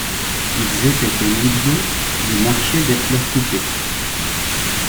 Ils étaient au milieu du marché des fleurs coupées.